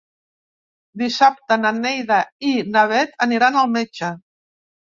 Dissabte na Neida i na Bet aniran al metge.